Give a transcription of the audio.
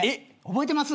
覚えてます？